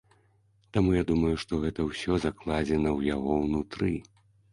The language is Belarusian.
Таму я думаю, што гэта ўсё закладзена ў яго ўнутры.